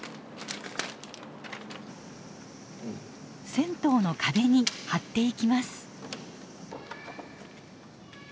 銭湯の壁に貼っていきます。